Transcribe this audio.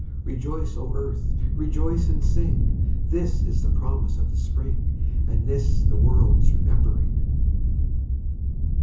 Rejoice, O Earth! Rejoice and sing! This is the promise of the Spring, And this the world's remembering.